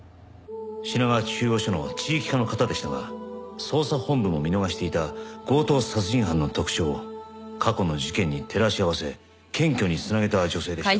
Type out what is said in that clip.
品川中央署の地域課の方でしたが捜査本部も見逃していた強盗殺人犯の特徴を過去の事件に照らし合わせ検挙に繋げた女性でした。